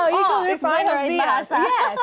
ya oh kamu bisa mengulangnya di bahasa